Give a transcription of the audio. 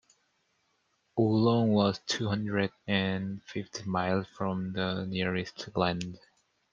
Oolong was two hundred and fifty miles from the nearest land.